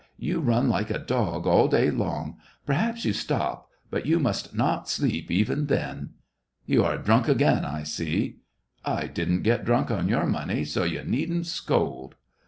" You run like a dog all day long; perhaps you stop — but you must not sleep, even then !"" You are drunk again, I see." " I didn't get drunk on your money, so you needn't scold."